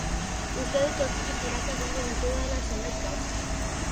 Uste dut hortik tiraka egingo ditudala zenbait gauza.